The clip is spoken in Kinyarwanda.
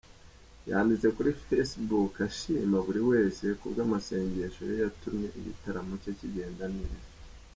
Yanditse kuri Facebook ashima buri wese kubw’amasengesho ye yatumye igitaramo cye kigenda neza.